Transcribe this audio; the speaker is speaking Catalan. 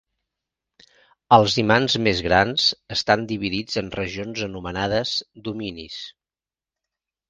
Els imants més grans estan dividits en regions anomenades "dominis".